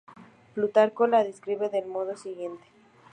Plutarco la describe del modo siguiente.